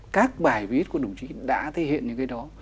các bài viết của đồng chí đã thể hiện những cái đó